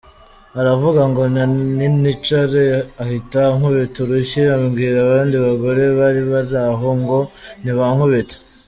Aravuga ngo ninicare ahita ankubita urushyi, abwira abandi bagore bari bari aho ngo nibankubite.